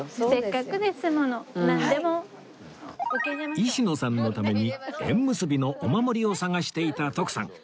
石野さんのために縁結びのお守りを探していた徳さん